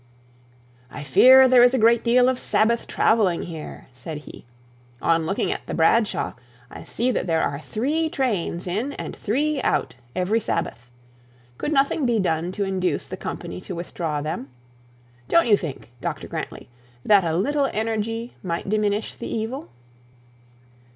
'I fear there is a great deal of Sabbath travelling here,' said he, 'on looking at the 'Bradshaw', I see that there are three trains in and three trains out every Sabbath. Could nothing be done to induce the company to withdraw them? Don't you think, Dr Grantly, that a little energy might diminish the evil?'